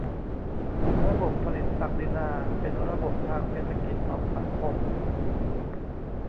ระบบผลิตศักดินาเป็นระบบทางเศรษฐกิจของสังคม